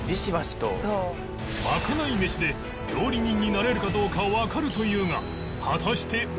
まかない飯で料理人になれるかどうかわかるというが